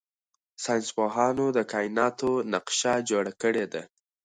ساینس پوهانو د کائناتو نقشه جوړه کړې ده.